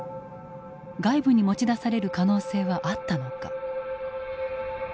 外部に持ち出される可能性はあったのか。